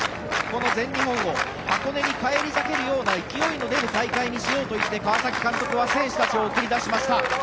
この全日本を箱根に返り咲けるような勢いが出る大会にしようと言って川崎監督は選手たちを送り出しました。